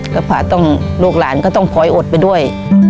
ก็ผ่าต้องลูกหลานก็ต้องคอยอดไปด้วย